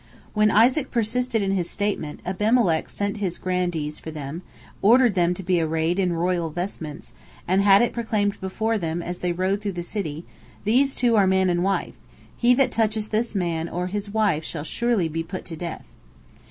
When Isaac persisted in his statement, Abimelech sent his grandees for them, ordered them to be arrayed in royal vestments, and had it proclaimed before them, as they rode through the city: "These two are man and wife. He that toucheth this man or his wife shall surely be put to death."